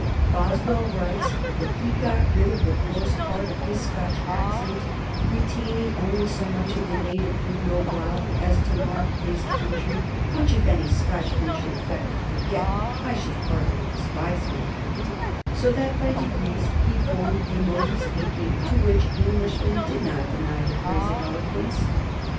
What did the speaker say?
Boswell writes that he got rid of the coarse part of his Scotch accent, retaining only so much of the "native wood note wild" as to mark his country, "which if any Scotchman should affect to forget I should heartily despise him," so that by degrees he formed a mode of speaking to which Englishmen did not deny the praise of eloquence.